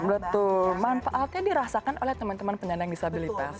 betul manfaatnya dirasakan oleh teman teman penyandang disabilitas